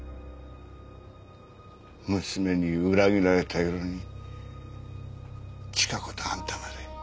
娘に裏切られた夜にチカ子とあんたまで。